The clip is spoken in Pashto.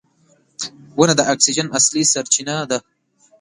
• ونه د اکسیجن اصلي سرچینه ده.